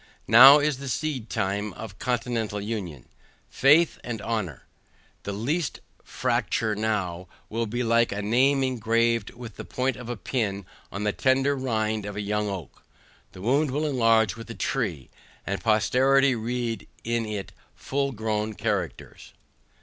Now is the seed time of continental union, faith and honor. The least fracture now will be like a name engraved with the point of a pin on the tender rind of a young oak; The wound will enlarge with the tree, and posterity read it in full grown characters.